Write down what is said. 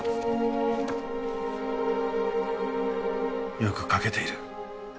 よく描けている。